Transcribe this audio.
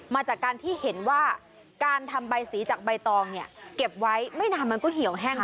มาจากการที่เห็นว่าการทำใบสีจากใบตองเนี่ยเก็บไว้ไม่นานมันก็เหี่ยวแห้ง